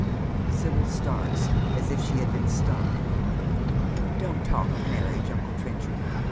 Sibyl starts as if she had been stung. "Don't talk of marriage, uncle Trenchard.